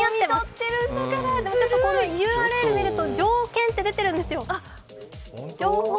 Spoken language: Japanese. でもＵＲＬ見ると情研って出てるんですよ。